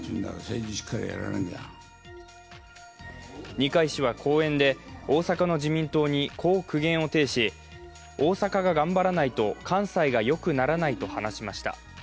二階氏は講演で、大阪の自民党に、こう苦言を呈し大阪が頑張らないと関西がよくならないと話しました。